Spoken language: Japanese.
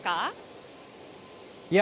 いや。